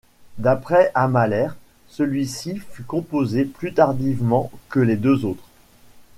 D'après Amalaire, celui-ci fut composé plus tardivement que les deux autres.